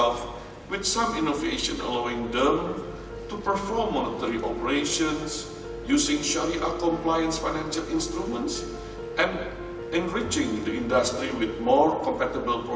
disini karena myi jaga saya bukan memilih